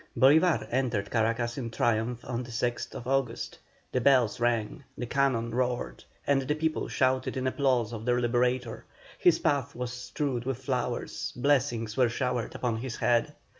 Bolívar entered Caracas in triumph on the 6th August; the bells rang, the cannon roared, and the people shouted in applause of their liberator; his path was strewed with flowers, blessings were showered upon his head.